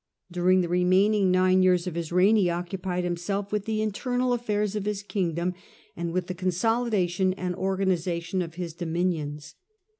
During the remaining nine years of his reign he occupied himself with the internal affairs of his kingdom, and with the consolidation and organization of his dominions.